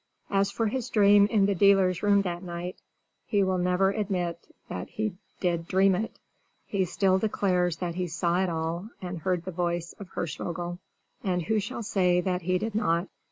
As for his dream in the dealers' room that night, he will never admit that he did dream it; he still declares that he saw it all and heard the voice of Hirschvogel. And who shall say that he did not?